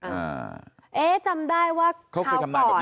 อ่าเอ๊ะจำได้ว่าเขาเคยทำนายแบบนี้มาแล้วใช่ไหม